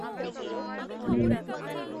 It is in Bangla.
বিচিত্র সব চিন্তা মাথায় আসছে।